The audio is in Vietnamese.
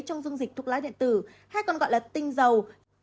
trong dung dịch thuốc lá điện tử hay còn gọi là tinh dầu